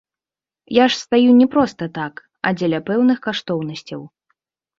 Я ж стаю не проста так, а дзеля пэўных каштоўнасцяў.